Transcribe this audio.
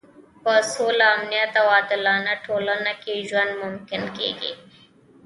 په سوله، امنیت او عادلانه ټولنه کې ژوند ممکن کېږي.